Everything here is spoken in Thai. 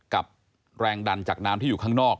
กับแรงดันจากน้ำที่อยู่ข้างนอก